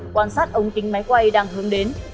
quan sát ống kính máy quay đang hướng đến